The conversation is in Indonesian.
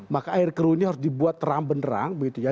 maka air keruh ini harus dibuat terang benerang begitu ya